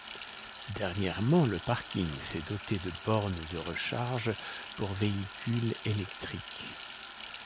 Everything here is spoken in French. Dernièrement, le parking s'est doté de bornes de recharge pour véhicules éléctriques.